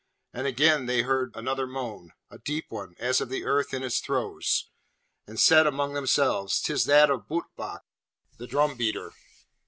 And again they heard another moan, a deep one, as of the earth in its throes, and said among themselves, ''Tis that of Bootlbac, the drumbeater!'